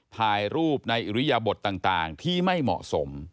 ถ่ายรูปในอิริยบทต่างที่ไม่เหมาะสม